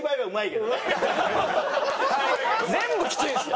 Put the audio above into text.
全部きついですよ